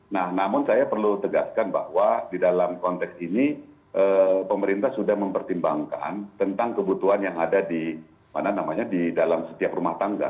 nah namun saya perlu tegaskan bahwa di dalam konteks ini pemerintah sudah mempertimbangkan tentang kebutuhan yang ada di dalam setiap rumah tangga